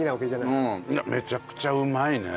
いやめちゃくちゃうまいね。